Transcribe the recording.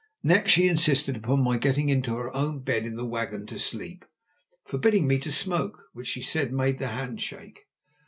Next she insisted upon my getting into her own bed in the wagon to sleep, forbidding me to smoke, which she said made the hand shake.